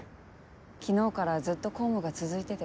昨日からずっと公務が続いてて。